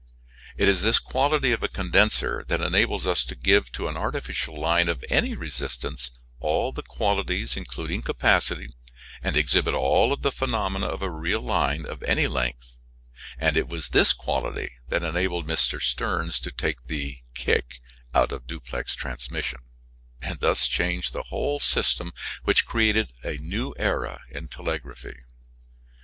It is this quality of a condenser that enables us to give to an artificial line of any resistance all the qualities, including capacity, and exhibit all the phenomena of a real line of any length, and it was this quality that enabled Mr. Stearns to take the "kick" out of duplex transmission and thus change the whole system, which created a new era in telegraphy.